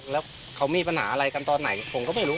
แล้วเขามีปัญหาอะไรกันตอนไหนผมก็ไม่รู้